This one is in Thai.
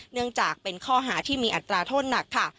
เนื่องจากเป็นข้อหาที่มีอัตราโทษหนักค่ะ